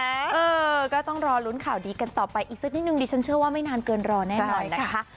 เออก็ต้องรอลุ้นข่าวดีกันต่อไปอีกสักนิดนึงดิฉันเชื่อว่าไม่นานเกินรอแน่นอนนะคะ